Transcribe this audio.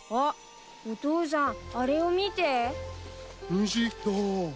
虹だ。